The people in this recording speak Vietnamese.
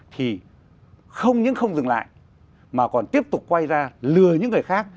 thì không những không dừng lại mà còn tiếp tục quay ra lừa những người khác